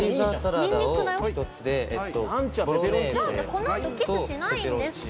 この後キスしないんですか？